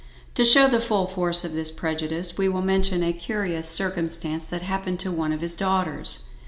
To show the full force of this prejudice we will mention a curious circumstance that happened to one of his daughters.